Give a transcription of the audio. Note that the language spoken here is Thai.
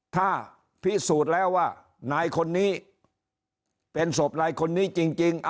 ถ้าพิสูจน์แล้วว่านายคนนี้เป็นศพนายคนนี้จริง